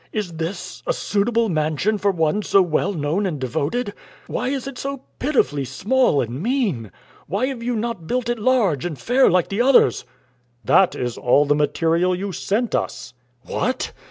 Is this a suitable mansion for one so well known and devoted? Why is it so pitifully small and mean? Why have you not built it large and fair, like the others?" "That is all the material you sent us." "What!"